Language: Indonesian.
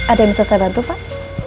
ada yang bisa saya bantu pak